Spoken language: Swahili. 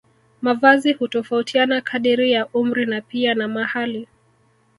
Mavazi hutofautiana kadiri ya umri na pia na mahali